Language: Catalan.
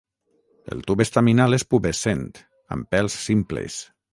El tub estaminal és pubescent, amb pèls simples.